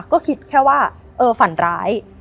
ก็คิดแค่ว่าเออฝันร้าย